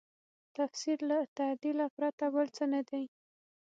تفسیر له تعدیله پرته بل څه نه دی.